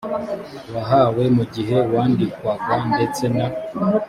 wahawe mu gihe wandikwaga ndetse na